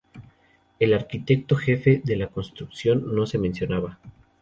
El arquitecto jefe de la construcción no se mencionaba.